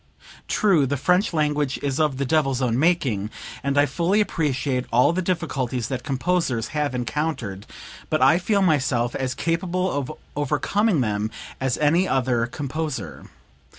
True the (French) language is of the devil's own making, and I fully appreciate all the difficulties that composers have encountered; but I feel myself as capable of overcoming them as any other composer.